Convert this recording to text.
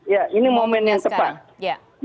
ya ini momen yang tepat